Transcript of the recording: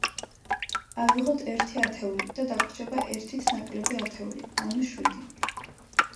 ავიღოთ ერთი ათეული, და დაგვრჩება ერთით ნაკლები ათეული, ანუ შვიდი.